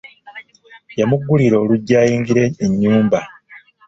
Yamugulira oluggi ayingire e nnyumba.